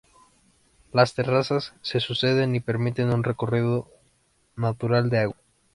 Las terrazas se suceden y permiten un recorrido natural de agua.